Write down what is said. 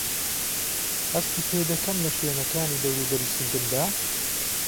هەستی پێدەکەم له شوێنەکانی دەورووبەری سنگمدا؟